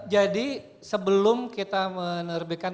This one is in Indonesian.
jadi sebelum kita menerbitkan